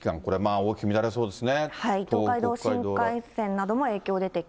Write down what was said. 大きく乱れそうですね。